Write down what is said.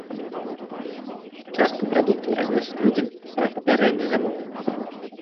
Частку прадуктаў разносяць людзям па папярэдняй замове.